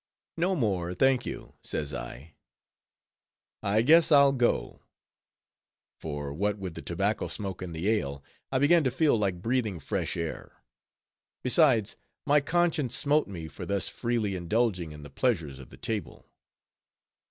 "No more, thank you," says I; "I guess I'll go;" for what with the tobacco smoke and the ale, I began to feel like breathing fresh air. Besides, my conscience smote me for thus freely indulging in the pleasures of the table.